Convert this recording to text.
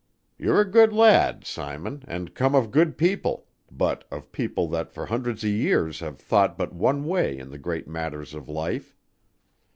You're a good lad, Simon, and come of good people, but of people that for hundreds o' years have thought but one way in the great matters of life.